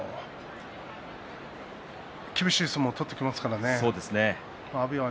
厳しい相撲を取ってきますからね、阿炎は。